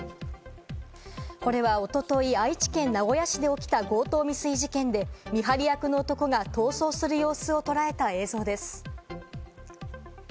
これはおととい、愛知県名古屋市で起きた強盗未遂事件で、見張り役の男が逃走する様子を捉えた映像です。